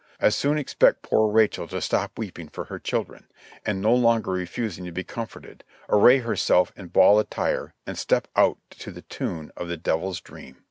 As soon expect poor Rachel to stop weeping for her children, and no longer refusing to be comforted, array herself in ball attire and step out to the tune of the "Devil's Dream."